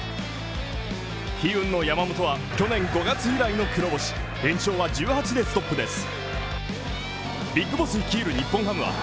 悲運の山本は去年５月以来の黒星で連勝は１８でストップです。